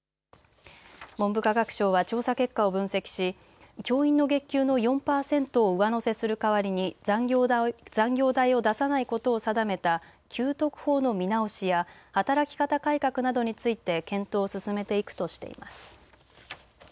文部科学省は調査結果を分析し教員の月給の４％を上乗せする代わりに残業代を出さないことを定めた給特法の見直しや働き方改革などについて検討を進めていくとしています。